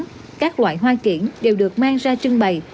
trong lúc bán các loại hoa kiển đều được mang ra trưng bày